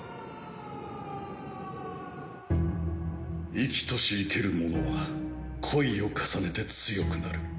生きとし生けるものは恋を重ねて強くなる。